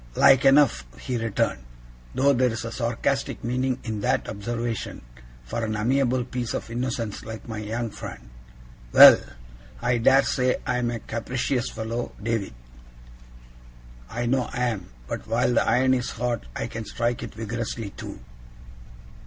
'Like enough,' he returned; 'though there's a sarcastic meaning in that observation for an amiable piece of innocence like my young friend. Well! I dare say I am a capricious fellow, David. I know I am; but while the iron is hot, I can strike it vigorously too.